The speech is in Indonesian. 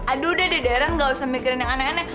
aduh udah deh deren gak usah mikirin yang aneh aneh